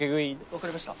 分かりました。